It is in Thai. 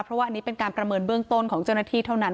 เพราะว่าอันนี้เป็นการประเมินเบื้องต้นของเจ้าหน้าที่เท่านั้น